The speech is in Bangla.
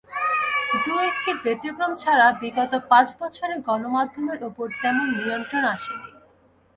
দু-একটি ব্যতিক্রম ছাড়া বিগত পাঁচ বছরে গণমাধ্যমের ওপর তেমন নিয়ন্ত্রণ আসেনি।